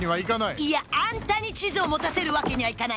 いや、あんたに地図を持たせるわけにはいかない。